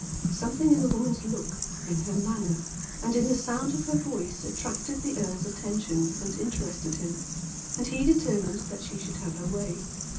Something in the woman's look, in her manner, and in the sound of her voice attracted the earl's attention and interested him, and he determined that she should have her way.